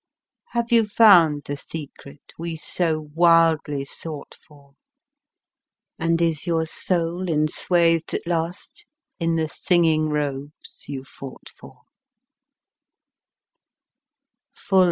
Have you found the secret We, so wildly, sought for, And is your soul enswath d at last in the singing robes you fought for